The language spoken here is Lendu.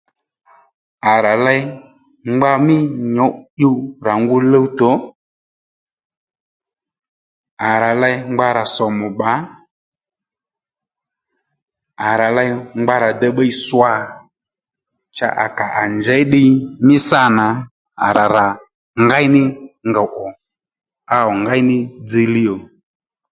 À rà ley ngba mí nyǔ'tdyuw rà ngu luwtò à rà ley ngba rà sòmù bbà à rà ley ngba rà dey bbiy swà cha à kà à njěy ddiy mí sâ nà à rà rà ngéy ní ngòw ò áw ngéy ní dziylíy ò